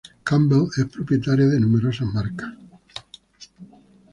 Campbell es propietaria de numerosas marcas.